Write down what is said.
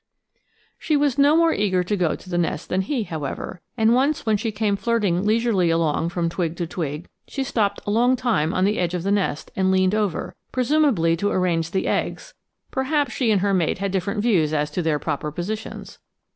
She was no more eager to go to the nest than he, however, and once when she came flirting leisurely along from twig to twig, she stopped a long time on the edge of the nest and leaned over, presumably to arrange the eggs; perhaps she and her mate had different views as to their proper positions.